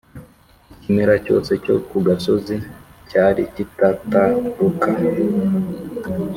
ikimera cyose cyo mu gasozi cyari kitataruka